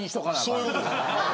そういう事です。